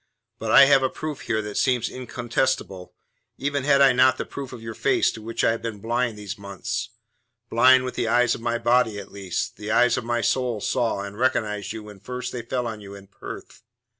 "But I have a proof here that seems incontestable, even had I not the proof of your face to which I have been blind these months. Blind with the eyes of my body, at least. The eyes of my soul saw and recognized you when first they fell on you in Perth.